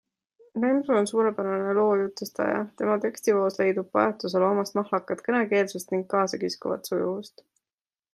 Remsu on suurepärane loojutustaja, tema tekstivoos leidub pajatusele omast mahlakat kõnekeelsust ning kaasakiskuvat sujuvust.